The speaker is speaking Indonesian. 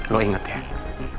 lo inget ya